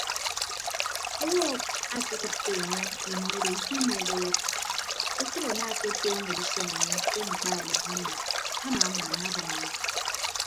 Owo akekịtte enye ini odo ikimeehe eyịd esịt amaaketọñọ edisọñ enye ke mkpa adiaha amọ amamaanabʌññọ.